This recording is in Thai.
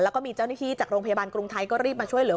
แล้วก็มีเจ้าหน้าที่จากโรงพยาบาลกรุงไทยก็รีบมาช่วยเหลือ